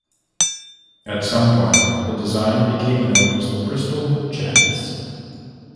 At some point the design became known as the Bristol Janus.